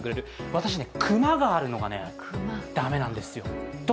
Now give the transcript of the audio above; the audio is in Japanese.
私、クマがあるのが駄目なんですよ。